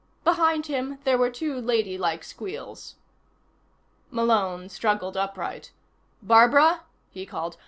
Behind him there were two ladylike squeals. Malone struggled upright. "Barbara?" he called.